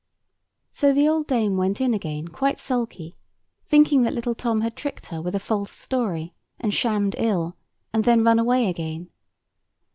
So the old dame went in again quite sulky, thinking that little Tom had tricked her with a false story, and shammed ill, and then run away again.